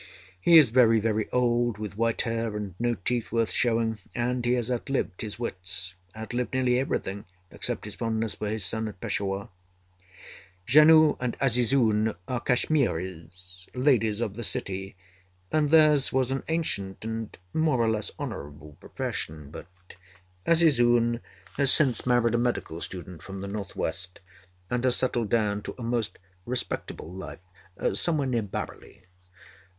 He is very, very old, with white hair and no teeth worth showing, and he has outlived his wits outlived nearly everything except his fondness for his son at Peshawar. Janoo and Azizun are Kashmiris, Ladies of the City, and theirs was an ancient and more or less honorable profession; but Azizun has since married a medical student from the North West and has settled down to a most respectable life somewhere near Bareilly.